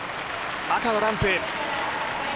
赤のランプ。